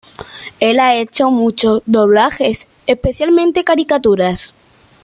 Él ha hecho muchos doblajes, especialmente caricaturas.